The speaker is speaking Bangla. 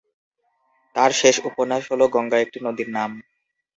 তার শেষ উপন্যাস হল "গঙ্গা একটি নদীর নাম"।